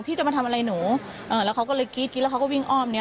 จะมาทำอะไรหนูแล้วเขาก็เลยกรี๊ดกรี๊ดแล้วเขาก็วิ่งอ้อมเนี้ย